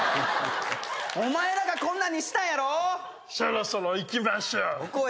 お前らがこんなんにしたんやろそろそろ行きましょうどこへ？